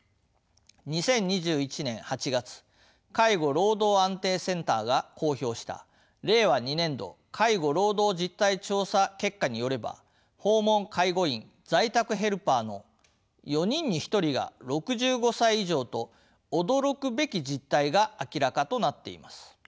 ２０２１年８月介護労働安定センターが公表した令和２年度「介護労働実態調査」結果によれば訪問介護員在宅ヘルパーの４人に１人が６５歳以上と驚くべき実態が明らかとなっています。